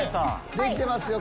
できてます！